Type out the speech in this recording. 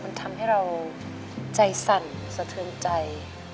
มันทำให้เราใจสั่นสะเทือนใจ